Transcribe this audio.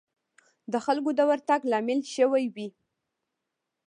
د خلکو د ورتګ لامل شوې وي.